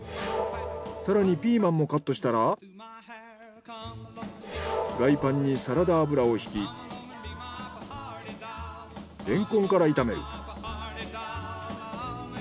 更にピーマンもカットしたらフライパンにサラダ油をひきレンコンから炒める。